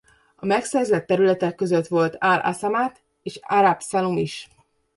A megszerzett területek között volt Al-Asamat és Arab Salum is.